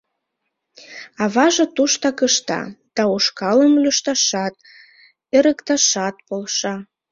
Аваже туштак ышта, да ушкалым лӱшташат, эрыкташат полша.